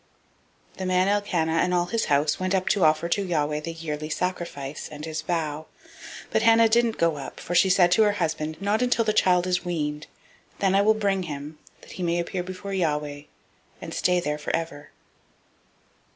001:021 The man Elkanah, and all his house, went up to offer to Yahweh the yearly sacrifice, and his vow. 001:022 But Hannah didn't go up; for she said to her husband, [I will not go up] until the child be weaned; and then I will bring him, that he may appear before Yahweh, and there abide forever.